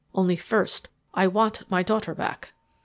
Only first I want my daughter back."